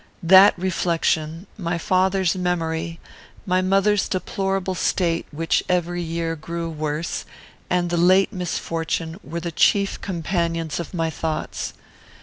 That reflection, my father's memory, my mother's deplorable state, which every year grew worse, and the late misfortune, were the chief companions of my thoughts.